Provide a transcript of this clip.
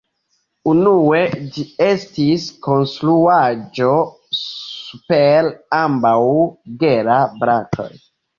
Unue ĝi estis konstruaĵo super ambaŭ Gera-brakoj.